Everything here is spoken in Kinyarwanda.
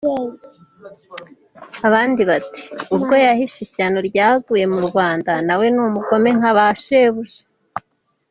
Abandi bati "Ubwo yahishe ishyano ryaguye mu Rwanda na we ni umugome nka Shebuja.